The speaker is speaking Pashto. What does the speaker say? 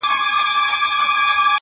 د خیالي حوري په خیال کي زنګېدلای -